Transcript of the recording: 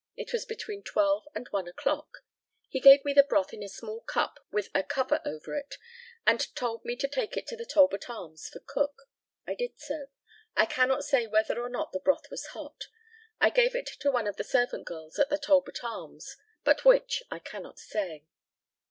It was between 12 and 1 o'clock. He gave me the broth in a small cup with a cover over it, and told me to take it to the Talbot Arms for Cook. I did so. I cannot say whether or not the broth was hot. I gave it to one of the servant girls at the Talbot Arms, but which I cannot say.